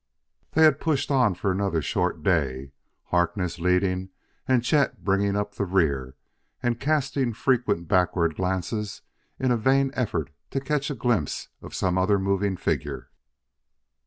They had pushed on for another short day, Harkness leading, and Chet bringing up the rear and casting frequent backward glances in a vain effort to catch a glimpse of some other moving figure.